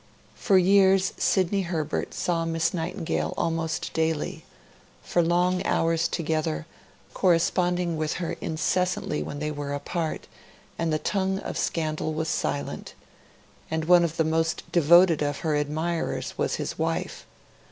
For years Sidney Herbert saw Miss Nightingale almost daily, for long hours together, corresponding with her incessantly when they were apart; and the tongue of scandal was silent; and one of the most devoted of her admirers was his wife.